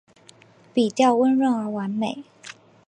笔调温润而完美